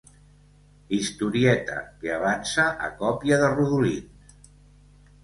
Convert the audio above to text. Historieta que avança a còpia de rodolins.